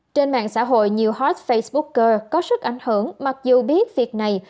trên mạng xã hội nhiều hot facebooker có sức ảnh hưởng mặc dù biết việc này